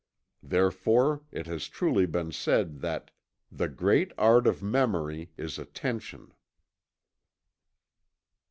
Therefore, it has truly been said that: "The great Art of Memory is Attention."